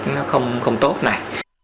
nó không tốt này